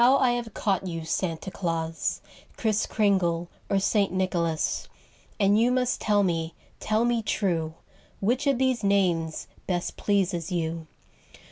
I have caught you Santa Claus, Kriss Kringle or St. Nicholas, And you must tell me, tell me true. Which of these names best pleases you'?